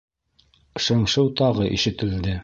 Шыңшыу тағы ишетелде.